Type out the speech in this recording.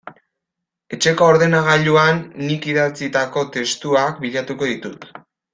Etxeko ordenagailuan nik idatzitako testuak bilatuko ditut.